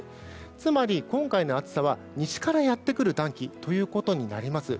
つまり、今回の暑さは西からやってくる暖気ということになります。